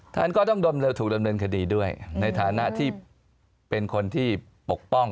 ท่านก็ต้องถูกดำเนินคดีด้วยในฐานะที่เป็นคนที่ปกป้อง